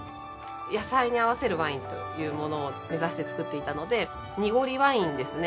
野菜に合わせるワインというものを目指してつくっていたので濁りワインですね。